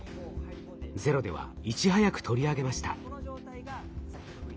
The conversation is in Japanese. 「ＺＥＲＯ」ではいち早く取り上げました。